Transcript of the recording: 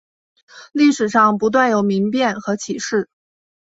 历史上不断有民变和起事。